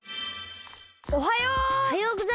おはよう。